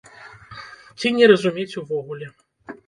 Ці не разумець увогуле.